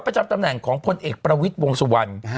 รถประจำตำแหน่งของคนเอกประวิทวงศ์สวรรค์